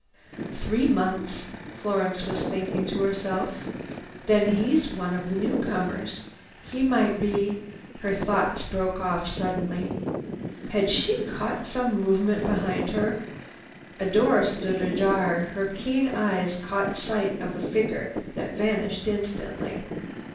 "Three months," Florence was thinking to herself. "Then he's one of the newcomers. He might be—" Her thoughts broke off suddenly. Had she caught some movement behind her? A door stood ajar. Her keen eyes caught sight of a figure that vanished instantly.